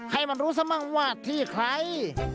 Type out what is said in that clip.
ให้มันรู้ซะมั่งว่าที่ใคร